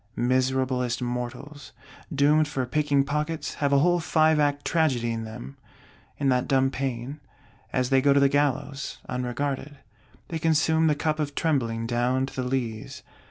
Miserablest mortals, doomed for picking pockets, have a whole five act Tragedy in them, in that dumb pain, as they go to the gallows, unregarded; they consume the cup of trembling down to the lees.